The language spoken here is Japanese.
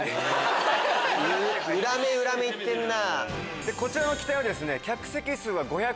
裏目裏目いってんな。